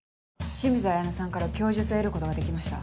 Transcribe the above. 清水彩菜さんから供述を得ることができました。